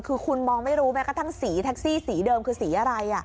คือคุณมองไม่รู้แม้กระทั่งสีแท็กซี่สีเดิมคือสีอะไร